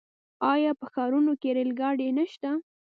آیا په ښارونو کې ریل ګاډي نشته؟